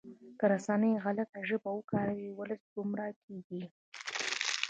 که رسنۍ غلطه ژبه وکاروي ولس ګمراه کیږي.